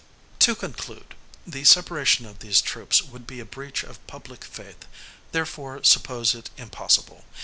To conclude. The separation of these troops would be a breach of public faith; therefore suppose it impossible.